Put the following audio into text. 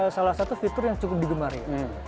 salah satu fitur yang cukup digemari